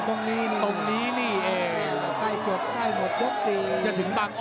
จะถึงบังอ้อแบบนี้หรือเปล่า